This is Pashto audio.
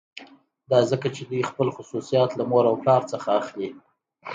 دا ځکه چې دوی خپل خصوصیات له مور او پلار څخه اخلي